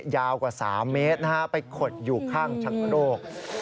ยาวกว่า๓เมตรไปขดอยู่ข้างชะโครก